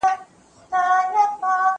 زه اوږده وخت موسيقي اورم وم؟